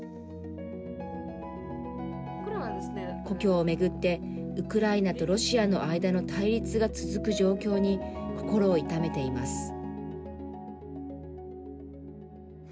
故郷をめぐってウクライナとロシアの間の対立が続く状況に心を痛めています。